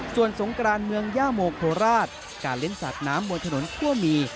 ส่วนสงกรานเมืองย่าโมโคราชการเล่นสาดน้ำบนถนนคั่วหมี